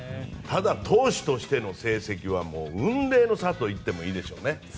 投手としての成績は雲泥の差といってもいいでしょうね。